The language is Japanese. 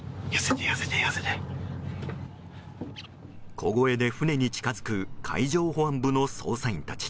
小声で船に近づく海上保安部の捜査員たち。